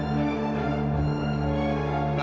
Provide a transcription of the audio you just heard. itu ada akhirnya ya